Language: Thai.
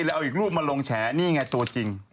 แล้วเอาอีกรูปมาลงแฉนี่ไงตัวจริง